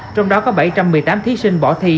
trong đó có bảy trăm một mươi tám thí sinh bỏ thi